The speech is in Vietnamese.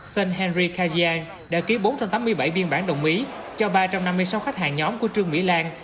sơn henry kajian đã ký bốn trăm tám mươi bảy biên bản đồng ý cho ba trăm năm mươi sáu khách hàng nhóm của trương mỹ lan